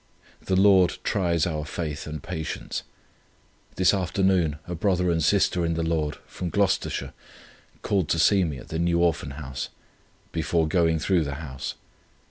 The Lord tries our faith and patience. This afternoon, a brother and sister in the Lord, from Gloucestershire, called to see me at the New Orphan House, before going through the house.